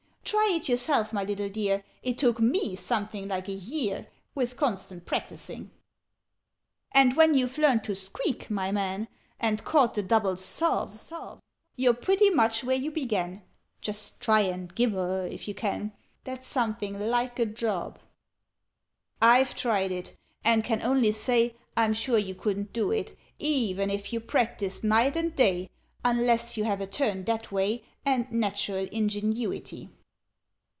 Try it yourself, my little dear! It took me something like a year, With constant practising. "And when you've learned to squeak, my man And caught the double sob, You're pretty much where you began: Just try and gibber if you can! That's something like a job! "I've tried it, and can only say I'm sure you couldn't do it, e ven if you practised night and day, Unless you have a turn that way, And natural ingenuity.